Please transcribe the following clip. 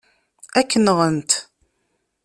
Ad k-nɣent.